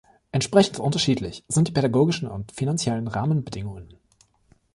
Entsprechend unterschiedlich sind die pädagogischen und finanziellen Rahmenbedingungen.